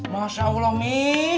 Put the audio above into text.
masya allah mi